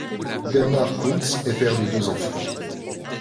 Bernard Kuntz est père de deux enfants.